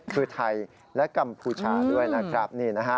คือไทยและกัมพูชาด้วยนะครับ